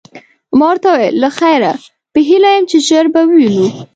ما ورته وویل: له خیره، په هیله یم چي ژر به ووینو.